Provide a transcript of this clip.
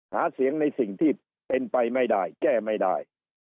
หาเสียงในสิ่งที่เป็นไปไม่ได้แก้ไม่ได้